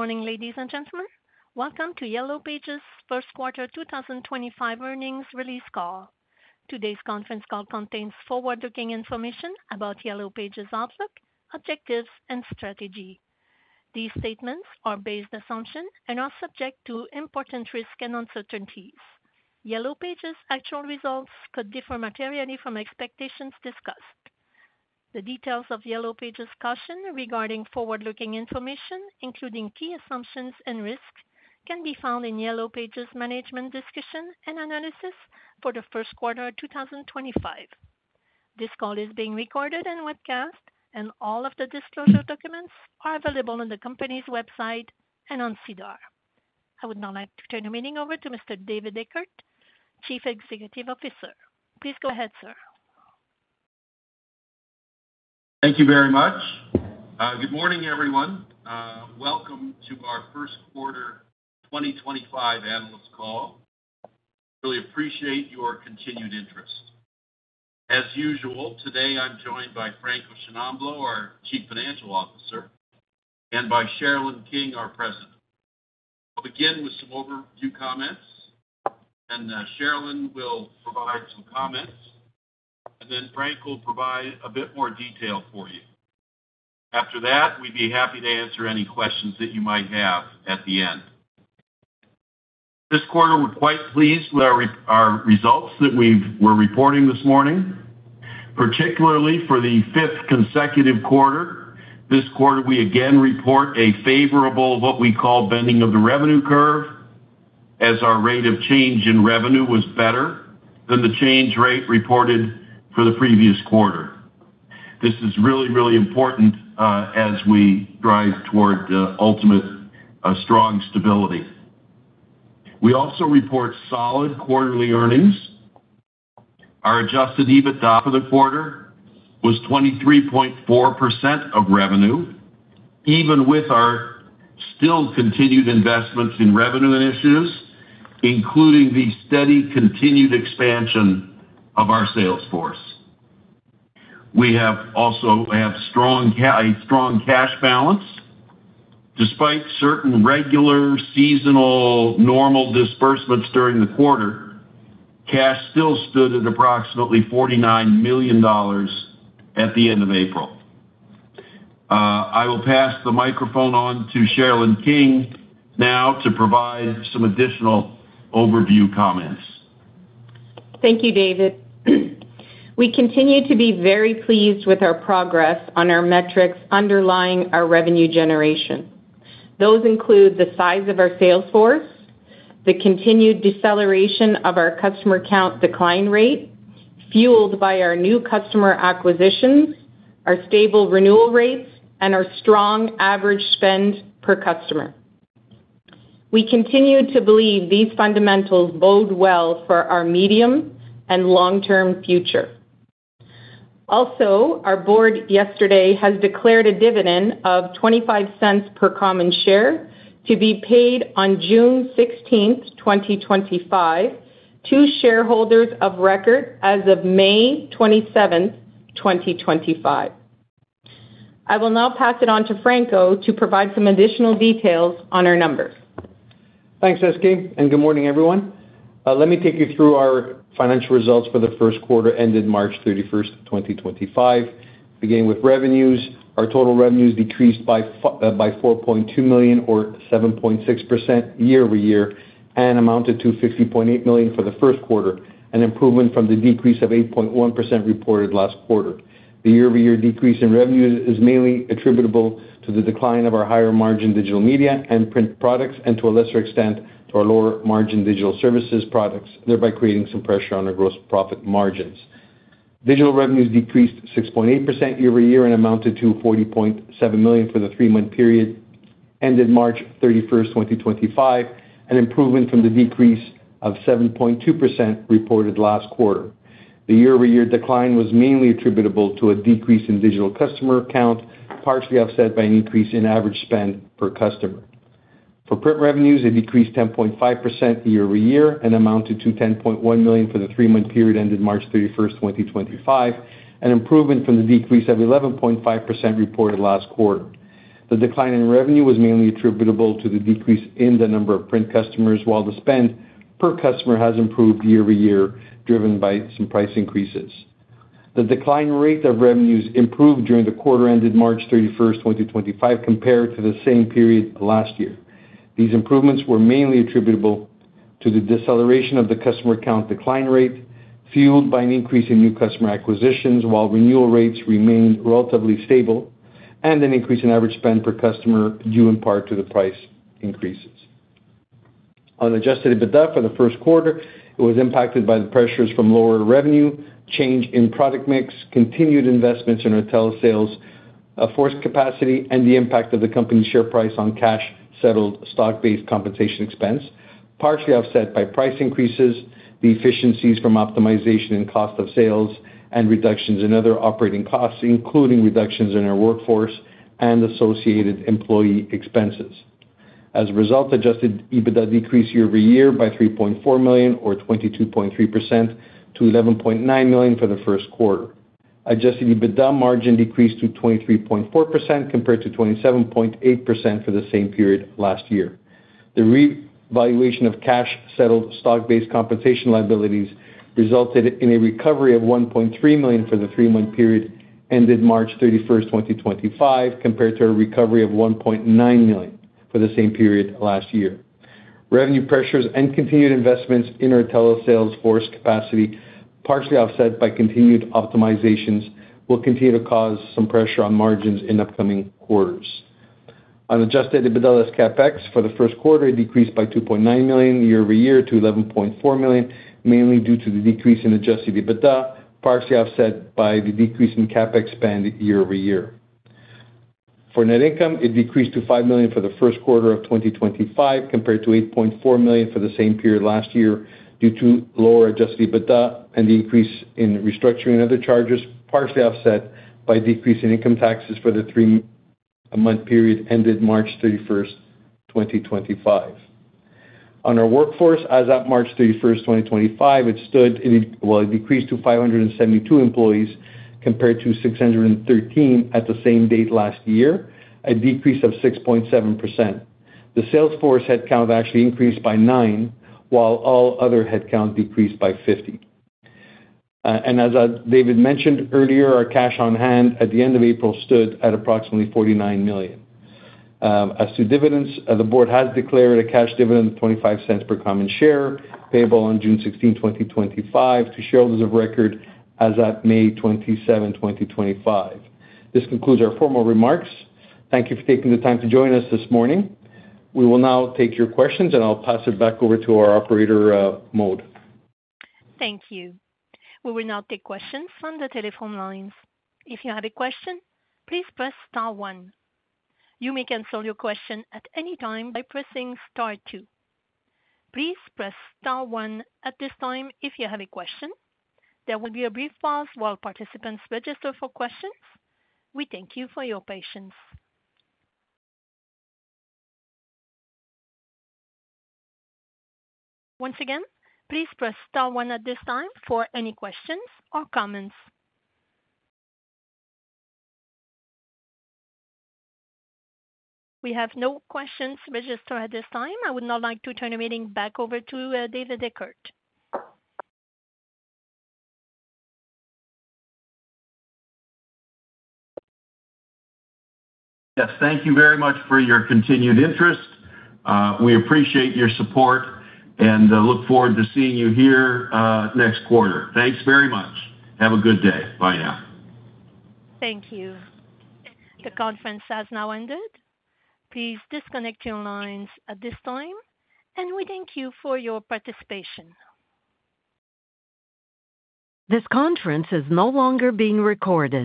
Good morning, ladies and gentlemen. Welcome to Yellow Pages' First Quarter 2025 Earnings Release Call. Today's conference call contains forward-looking information about Yellow Pages' outlook, objectives, and strategy. These statements are based on assumptions and are subject to important risks and uncertainties. Yellow Pages' actual results could differ materially from expectations discussed. The details of Yellow Pages' caution regarding forward-looking information, including key assumptions and risks, can be found in Yellow Pages' management discussion and analysis for the first quarter 2025. This call is being recorded and webcast, and all of the disclosure documents are available on the company's website and on SEDAR. I would now like to turn the meeting over to Mr. David Eckert, Chief Executive Officer. Please go ahead, sir. Thank you very much. Good morning, everyone. Welcome to our first quarter 2025 analyst call. I really appreciate your continued interest. As usual, today I'm joined by Frank Sciannamblo, our Chief Financial Officer, and by Sherilyn King, our President. We'll begin with some overview comments, and Sherilyn will provide some comments, and then Frank will provide a bit more detail for you. After that, we'd be happy to answer any questions that you might have at the end. This quarter, we're quite pleased with our results that we were reporting this morning, particularly for the fifth consecutive quarter. This quarter, we again report a favorable, what we call, bending of the revenue curve, as our rate of change in revenue was better than the change rate reported for the previous quarter. This is really, really important as we drive toward ultimate strong stability. We also report solid quarterly earnings. Our adjusted EBITDA for the quarter was 23.4% of revenue, even with our still continued investments in revenue initiatives, including the steady continued expansion of our sales force. We also have a strong cash balance. Despite certain regular seasonal normal disbursements during the quarter, cash still stood at approximately 49 million dollars at the end of April. I will pass the microphone on to Sherilyn King now to provide some additional overview comments. Thank you, David. We continue to be very pleased with our progress on our metrics underlying our revenue generation. Those include the size of our sales force, the continued deceleration of our customer count decline rate, fueled by our new customer acquisitions, our stable renewal rates, and our strong average spend per customer. We continue to believe these fundamentals bode well for our medium and long-term future. Also, our board yesterday has declared a dividend of 0.25 per common share to be paid on June 16th, 2025, to shareholders of record as of May 27th, 2025. I will now pass it on to Franco to provide some additional details on our numbers. Thanks, Eske. Good morning, everyone. Let me take you through our financial results for the first quarter ended March 31, 2025. Beginning with revenues, our total revenues decreased by 4.2 million, or 7.6%, year-over-year, and amounted to 50.8 million for the first quarter, an improvement from the decrease of 8.1% reported last quarter. The year-over-year decrease in revenues is mainly attributable to the decline of our higher-margin digital media and print products, and to a lesser extent to our lower-margin digital services products, thereby creating some pressure on our gross profit margins. Digital revenues decreased 6.8% year-over-year and amounted to 40.7 million for the three-month period ended March 31st, 2025, an improvement from the decrease of 7.2% reported last quarter. The year-over-year decline was mainly attributable to a decrease in digital customer count, partially offset by an increase in average spend per customer. For print revenues, it decreased 10.5% year-over-year and amounted to 10.1 million for the three-month period ended March 31st, 2025, an improvement from the decrease of 11.5% reported last quarter. The decline in revenue was mainly attributable to the decrease in the number of print customers, while the spend per customer has improved year-over-year, driven by some price increases. The decline rate of revenues improved during the quarter ended March 31st, 2025, compared to the same period last year. These improvements were mainly attributable to the deceleration of the customer count decline rate, fueled by an increase in new customer acquisitions, while renewal rates remained relatively stable, and an increase in average spend per customer due in part to the price increases. On adjusted EBITDA for the first quarter, it was impacted by the pressures from lower revenue, change in product mix, continued investments in retail sales, forced capacity, and the impact of the company's share price on cash-settled stock-based compensation expense, partially offset by price increases, the efficiencies from optimization and cost of sales, and reductions in other operating costs, including reductions in our workforce and associated employee expenses. As a result, adjusted EBITDA decreased year-over-year by 3.4 million, or 22.3%, to 11.9 million for the first quarter. Adjusted EBITDA margin decreased to 23.4% compared to 27.8% for the same period last year. The revaluation of cash-settled stock-based compensation liabilities resulted in a recovery of 1.3 million for the three-month period ended March 31, 2025, compared to a recovery of 1.9 million for the same period last year. Revenue pressures and continued investments in retail sales force capacity, partially offset by continued optimizations, will continue to cause some pressure on margins in upcoming quarters. On adjusted EBITDA as CapEx for the first quarter, it decreased by 2.9 million year-over-year to 11.4 million, mainly due to the decrease in adjusted EBITDA, partially offset by the decrease in CapEx spend year-over-year. For net income, it decreased to 5 million for the first quarter of 2025, compared to 8.4 million for the same period last year due to lower adjusted EBITDA and the increase in restructuring and other charges, partially offset by decrease in income taxes for the three-month period ended March 31st, 2025. On our workforce, as of March 31st, 2025, it stood, it decreased to 572 employees compared to 613 at the same date last year, a decrease of 6.7%. The sales force headcount actually increased by nine, while all other headcount decreased by 50. As David mentioned earlier, our cash on hand at the end of April stood at approximately 49 million. As to dividends, the board has declared a cash dividend of 0.25 per common share, payable on June 16th, 2025, to shareholders of record as of May 27th, 2025. This concludes our formal remarks. Thank you for taking the time to join us this morning. We will now take your questions, and I'll pass it back over to our operator, Maude. Thank you. We will now take questions from the telephone lines. If you have a question, please press star one. You may cancel your question at any time by pressing star two. Please press star one at this time if you have a question. There will be a brief pause while participants register for questions. We thank you for your patience. Once again, please press star one at this time for any questions or comments. We have no questions registered at this time. I would now like to turn the meeting back over to David Eckert. Yes, thank you very much for your continued interest. We appreciate your support and look forward to seeing you here next quarter. Thanks very much. Have a good day. Bye now. Thank you. The conference has now ended. Please disconnect your lines at this time, and we thank you for your participation. This conference is no longer being recorded.